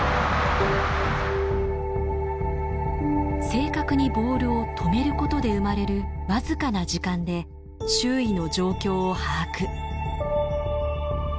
正確にボールを止めることで生まれるわずかな時間で周囲の状況を把握。